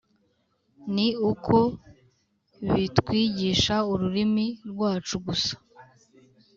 ni uko bitwigisha ururimi rwacu gusa